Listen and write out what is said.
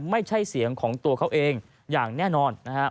ไม่ใช่เสียงของตัวเขาเองอย่างแน่นอนนะครับ